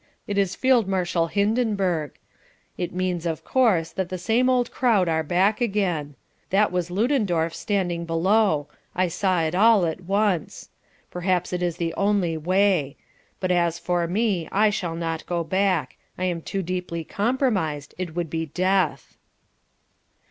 It is Field Marshal Hindenburg. It means of course that the same old crowd are back again. That was Ludendorf standing below. I saw it all at once. Perhaps it is the only way. But as for me I shall not go back: I am too deeply compromised: it would be death."